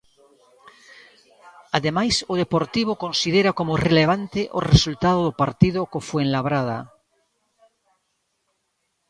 Ademais, o Deportivo considera como irrelevante o resultado do partido co Fuenlabrada.